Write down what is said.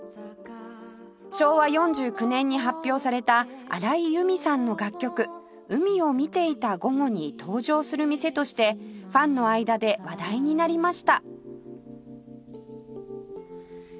昭和４９年に発表された荒井由実さんの楽曲『海を見ていた午後』に登場する店としてファンの間で話題になりました